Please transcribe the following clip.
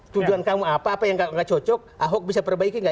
tujuan kamu apa apa yang nggak cocok ahok bisa perbaiki nggak